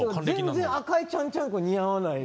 全然赤いちゃんちゃんこ似合わない。